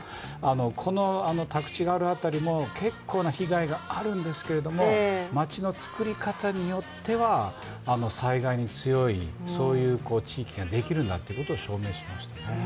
この宅地がある辺りも結構な被害があるんですけれども、町の作り方によっては災害に強い地域ができるんだということを証明しましたね。